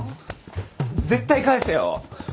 絶対返せよ。